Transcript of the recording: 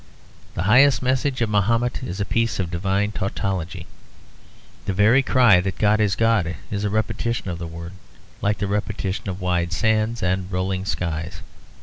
The highest message of Mahomet is a piece of divine tautology. The very cry that God is God is a repetition of words, like the repetitions of wide sands and rolling skies.